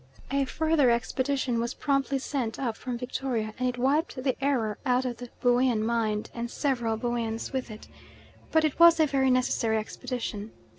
A further expedition was promptly sent up from Victoria and it wiped the error out of the Buean mind and several Bueans with it. But it was a very necessary expedition.